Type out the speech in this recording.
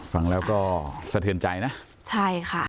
ฟังแล้วก็สะเทือนใจนะใช่ค่ะ